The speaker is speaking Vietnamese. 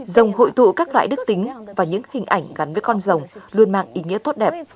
rồng hội tụ các loại đức tính và những hình ảnh gắn với con rồng luôn mang ý nghĩa tốt đẹp